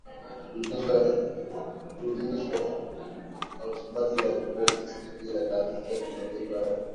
Kudumishwa ya Uchimbaji wa Boksiti ya Taasisi ya Kimataifa ya